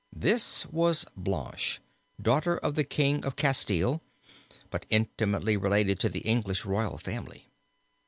This was Blanche, daughter of the King of Castile, but intimately related to the English royal family.